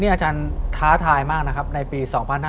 อาจารย์ท้าทายมากในปี๒๕๖๙